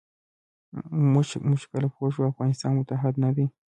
موږ چې کله پوه شو افغانستان متحد نه دی.